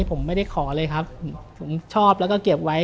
ผมไม่ได้ขอเลยครับผมชอบแล้วก็เก็บไว้